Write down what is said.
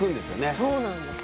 そうなんですよね。